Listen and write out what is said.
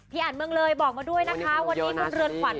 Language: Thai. อ่านเมืองเลยบอกมาด้วยนะคะวันนี้คุณเรือนขวัญ